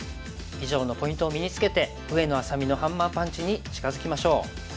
以上のポイントを身につけて上野愛咲美のハンマーパンチに近づきましょう。